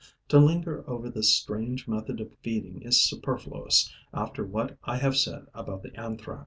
To linger over this strange method of feeding is superfluous after what I have said about the Anthrax.